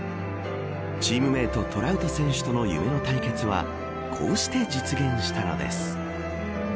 チームメートトラウト選手との夢の対決はこうして実現したのです。